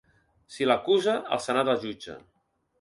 Si l’acusa, el senat el jutja.